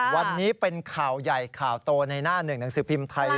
วันนี้เป็นข่าวใหญ่ข่าวโตในหน้าหนึ่งหนังสือพิมพ์ไทย